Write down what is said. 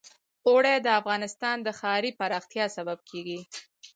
اوړي د افغانستان د ښاري پراختیا سبب کېږي.